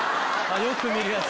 よく見るやつ。